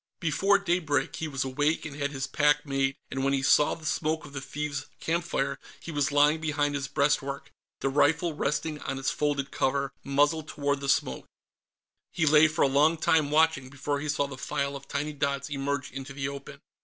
Before daybreak, he was awake and had his pack made, and when he saw the smoke of the thieves' campfire, he was lying behind his breastwork, the rifle resting on its folded cover, muzzle toward the smoke. He lay for a long time, watching, before he saw the file of tiny dots emerge into the open.